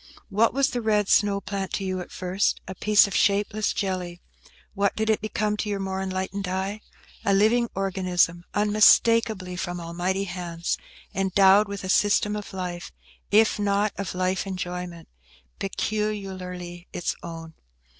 What was the red snow plant to you at first? A piece of shapeless jelly. What did it become to your more enlightened eye? A living organism, unmistakably from Almighty hands, endowed with a system of life, if not of life enjoyment, peculiarly its own.